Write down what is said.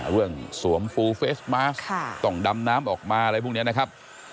สวมปูเฟสมาสต้องดำน้ำออกมาอะไรพวกนี้นะครับ